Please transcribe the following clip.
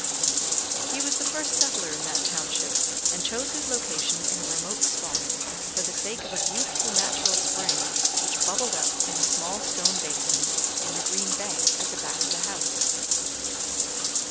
He was the first settler in that township, and chose his location in a remote spot, for the sake of a beautiful natural spring, which bubbled up in a small stone basin in the green bank at the back of the house.